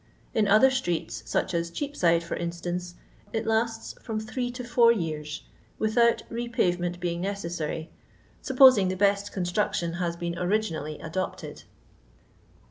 In other streets, such as Cheapside, for instance, it lasts from three to four years, without repayement being necessary, sup posing the best construction has been originally adopted.